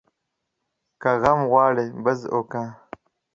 که غم غواړې ، بزه وکه.